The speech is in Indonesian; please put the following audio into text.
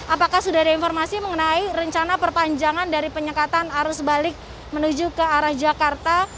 apakah sudah ada informasi mengenai rencana perpanjangan dari penyekatan arus balik menuju ke arah jakarta